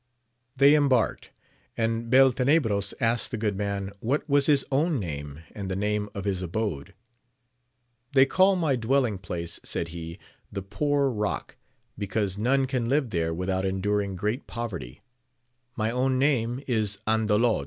They embarked, and Beltenebros asked the good man what was his own name, and the name of his abode. They call my dwelling place, said he, the Poor Rock, because none can live there without enduring great poverty : my own name is Andalod.